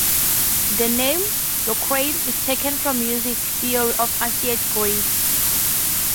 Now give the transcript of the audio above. The name "Locrian" is taken from music theory of ancient Greece.